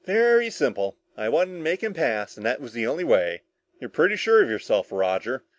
"Very simple. I wanted to make him pass and that was the only way." "You're pretty sure of yourself, Roger."